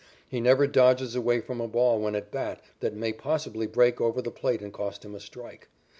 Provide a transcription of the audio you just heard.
He never dodges away from a ball when at bat that may possibly break over the plate and cost him a strike.